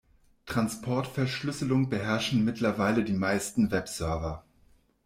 Transportverschlüsselung beherrschen mittlerweile die meisten Webserver.